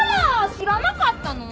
知らなかったの！？